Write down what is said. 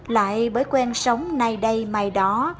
lại mới quen sống nay đây mai đó